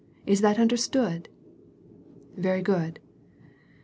Is that under stood ?" "Very good."